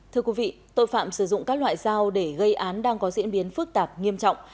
thưa quý vị tội phạm sử dụng các loại dao để gây án đang có diễn biến phức tạp nghiêm trọng